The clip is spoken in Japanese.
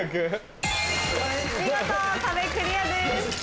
見事壁クリアです。